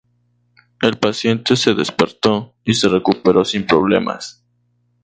El paciente se despertó y se recuperó sin problemas.